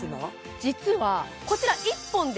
実はこちらあ！